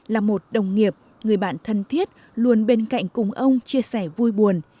là một đồng nghiệp người bạn thân thiết luôn bên cạnh cùng ông chia sẻ vui buồn